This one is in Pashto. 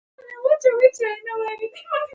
ما ستاسو د فرمان سره سم پاچهي ومنله.